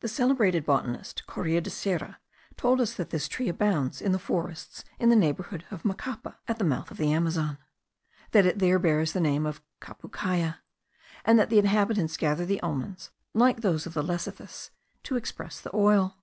The celebrated botanist, Correa de Serra, told us that this tree abounds in the forests in the neighbourhood of Macapa, at the mouth of the Amazon; that it there bears the name of capucaya, and that the inhabitants gather the almonds, like those of the lecythis, to express the oil.